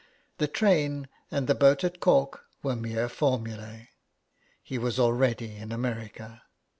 The train and the boat at Cork were mere formulae ; he was already in America.